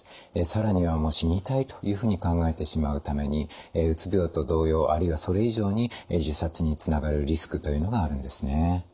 更には死にたいというふうに考えてしまうためにうつ病と同様あるいはそれ以上に自殺につながるリスクというのがあるんですね。